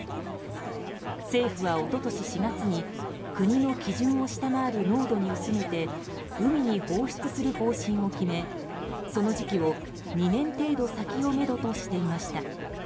政府は一昨年４月に国の基準を下回る濃度に薄めて海に放出する方針を決めその時期を、２年程度先をめどとしていました。